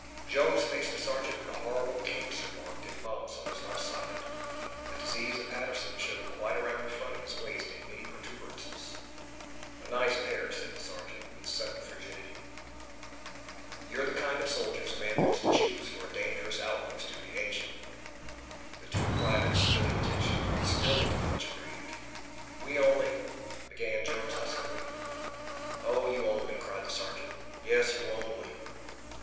Jones faced the sergeant with a horrible cancer marked in bumps on his left side. The disease of Patterson showed quite around the front of his waist in many protuberances. "A nice pair!" said the sergeant, with sudden frigidity. "You're the kind of soldiers a man wants to choose for a dangerous outpost duty, ain't you?" The two privates stood at attention, still looking much aggrieved. "We only " began Jones huskily. "Oh, you 'only!'" cried the sergeant. "Yes, you 'only.'